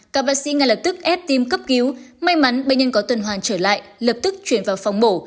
các bác sĩ ngay lập tức ép tim cấp cứu may mắn bệnh nhân có tuần hoàn trở lại lập tức chuyển vào phòng mổ